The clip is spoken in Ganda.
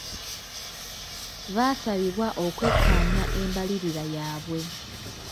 Baasabibwa okwekkaanya embalirira yaabwe.